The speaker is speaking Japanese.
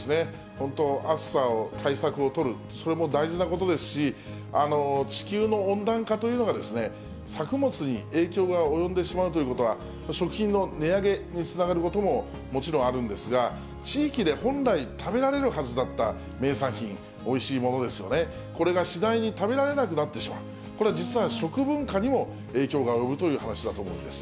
本当、暑さの対策を取る、それも大事なことですし、地球の温暖化というのが作物に影響が及んでしまうということが、食品の値上げにつながることももちろんあるんですが、地域で本来食べられるはずだった名産品、おいしいものですよね、これが次第に食べられなくなってしまう、これは実は食文化にも影響が及ぶという話だと思うんです。